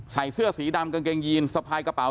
ใส่เสื้อสีดำกางเกงยีนสะพายกระเป๋